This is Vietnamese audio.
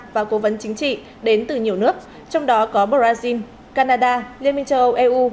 và cố vấn chính trị đến từ nhiều nước trong đó có brazil canada liên minh châu âu eu